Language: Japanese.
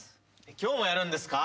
今日もやるんですか？